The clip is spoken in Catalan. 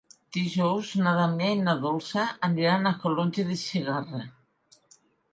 Dijous na Damià i na Dolça aniran a Calonge de Segarra.